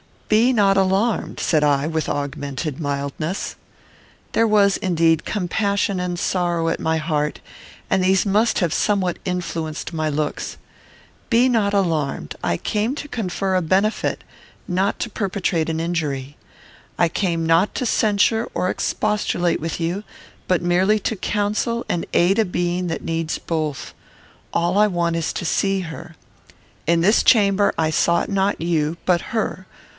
"Be not alarmed," said I, with augmented mildness. There was, indeed, compassion and sorrow at my heart, and these must have somewhat influenced my looks. "Be not alarmed. I came to confer a benefit, not to perpetrate an injury. I came not to censure or expostulate with you, but merely to counsel and aid a being that needs both; all I want is to see her. In this chamber I sought not you, but her.